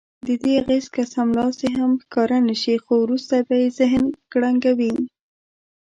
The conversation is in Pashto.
ددې اغېز که سملاسي هم ښکاره نه شي خو وروسته به یې ذهن کړنګوي.